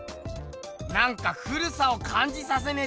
なんか古さをかんじさせねえ